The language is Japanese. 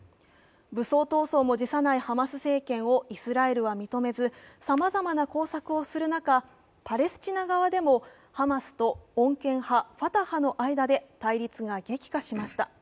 武装闘争も辞さないハマス政権をイスラエルは認めず、さまざまな工作をする中、パレスチナ側でもハマスと穏健派ファタハの間で対立が激化しました。